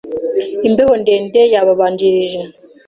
Imbeho ndende yababanjirije.